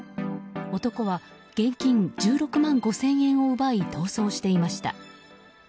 男は現金１６万５０００円を奪い逃走していました。